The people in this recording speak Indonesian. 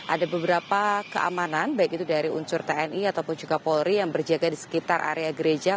ada beberapa keamanan baik itu dari unsur tni ataupun juga polri yang berjaga di sekitar area gereja